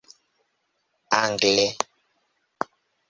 angle